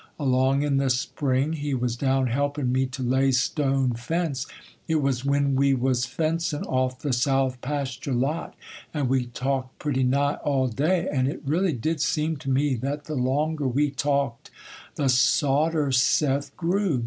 Along in the spring, he was down helpin' me to lay stone fence,—it was when we was fencin' off the south pastur' lot,—and we talked pretty nigh all day; and it really did seem to me that the longer we talked, the sotter Seth grew.